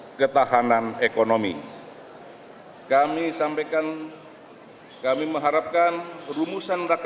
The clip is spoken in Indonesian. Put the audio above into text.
implementasi program kebijakan prioritas tersebut akan didukung oleh kebijakan strategis lainnya berupa pengaturan impor dalam rangka hilirisasi dan penanganan sengketa